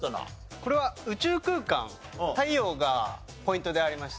これは宇宙空間太陽がポイントでありまして。